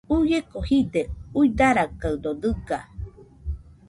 Uieko jide, uidarakaɨdo dɨga.